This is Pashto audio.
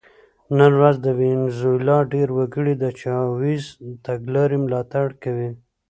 نن ورځ د وینزویلا ډېر وګړي د چاوېز د تګلارې ملاتړ کوي.